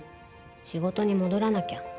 仕事に戻らなきゃ。